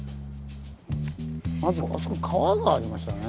まずあそこ川がありましたね。